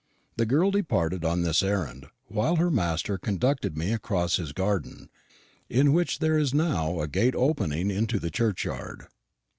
The girl departed on this errand, while her master conducted me across his garden, in which there is now a gate opening into the churchyard.